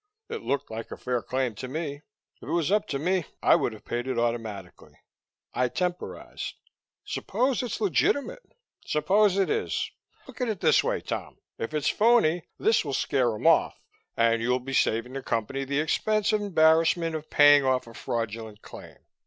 It looked like a fair claim to me. If it was up to me, I would have paid it automatically. I temporized. "Suppose it's legitimate?" "Suppose it is? Look at it this way, Tom. If it's phoney, this will scare him off, and you'd be saving the Company the expense and embarrassment of paying off a fraudulent claim.